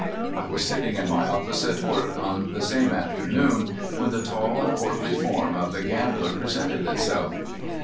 I was sitting in my office at work on the same afternoon, when the tall and portly form of the gambler presented itself.